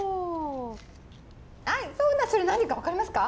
それ何か分かりますか？